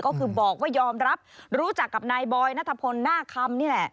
ก็คือบอกว่ายอมรับรู้จักกับนายบอยนัทพลหน้าคำนี่แหละ